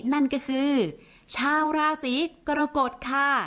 นั่นก็คือชาวราศีกรกฎค่ะ